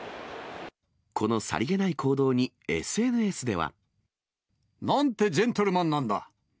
このさりげない行動に、ＳＮＳでは。なんてジェントルマンなんだ。